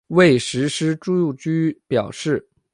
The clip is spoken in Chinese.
未施实住居表示。